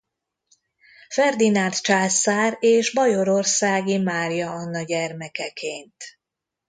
Ferdinánd császár és Bajorországi Mária Anna gyermekeként.